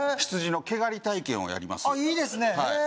羊の毛刈り体験をやりますいいですねへえ